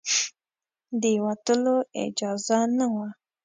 د وتلو اجازه نه وه.